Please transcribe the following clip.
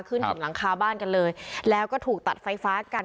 ถึงหลังคาบ้านกันเลยแล้วก็ถูกตัดไฟฟ้ากัน